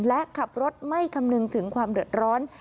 และขับรถไม่คำนึงถึงความเดือดร้อน